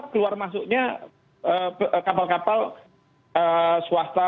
keluar masuknya kapal kapal swasta